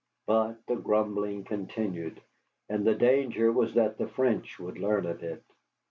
But the grumbling continued, and the danger was that the French would learn of it.